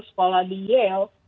sekolah di yale